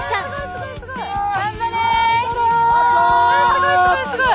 すごいすごいすごい！